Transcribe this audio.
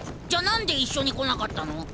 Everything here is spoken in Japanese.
じゃあ何で一緒に来なかったの？